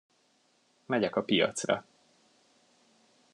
Megyek a piacra.